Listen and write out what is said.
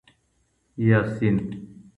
یاسین